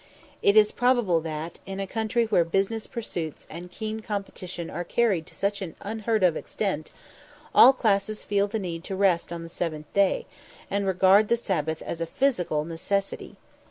It is probable that, in a country where business pursuits and keen competition are carried to such an unheard of extent, all classes feel the need of rest on the seventh day, and regard the Sabbath as a physical necessity.